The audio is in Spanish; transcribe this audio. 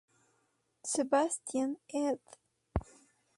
Sebastien" ed.